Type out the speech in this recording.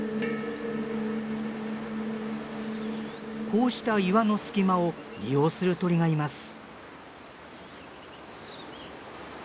こうした岩の隙間を利用する鳥がいます。